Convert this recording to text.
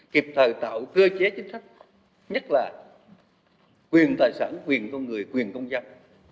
kịp thời tạo cơ chế chính sách nhất là quyền tài sản quyền con người quyền công dân